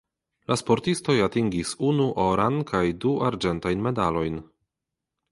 La sportistoj atingis unu oran kaj du arĝentajn medalojn.